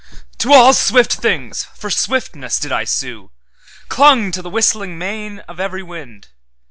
To all swift things for swiftness did I sue; Clung to the whistling mane of every wind.